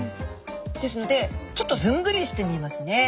ですのでちょっとずんぐりして見えますね。